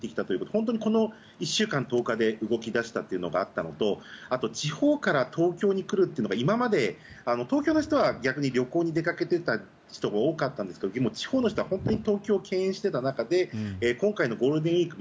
本当にこの１週間、１０日で動き出したというのがあったのとあと地方から東京に来るというのが今まで東京の人は逆に旅行に出かけていた人が多かったんですが地方の人は本当に東京を敬遠していた中で今回のゴールデンウィーク